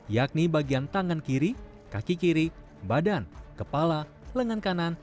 yakni bagian tangan kiri kaki kiri badan kepala lengan kanan